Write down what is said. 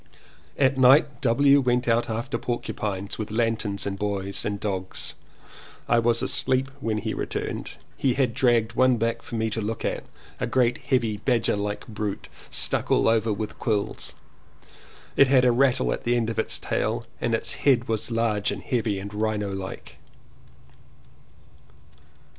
At night W. went out after porcupines with lanterns and boys and dogs. I was asleep when he returned. He had dragged one back for me to look at — a great heavy badger like brute stuck all over with quills. It had a rattle at the end of its tail and its head was large and heavy and Rhino like.